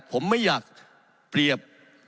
ผมไม่อยากเปรียบ